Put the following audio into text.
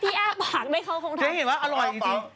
พี่แอบปากไหมเขาคงทำเจ๊เห็นว่าอร่อยจริง